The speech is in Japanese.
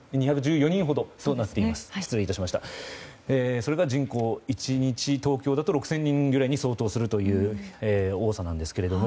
それが人口１日東京だと６０００人ぐらいに相当するという多さなんですけれども